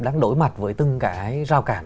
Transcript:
đang đối mặt với từng cái rào cản